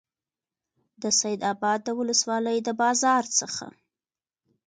د سیدآباد د ولسوالۍ د بازار څخه